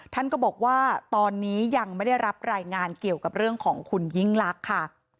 ท่านก็บอกว่าตอนนี้ยังไม่ได้รับรายงานเกี่ยวกับเรื่องของคุณยิ่งลักษณ์ค่ะ